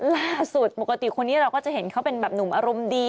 ล่าสุดปกติคนนี้เราก็จะเห็นเขาเป็นแบบหนุ่มอารมณ์ดี